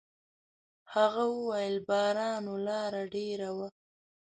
هغه وويل: «باران و، لاره ډېره وه.»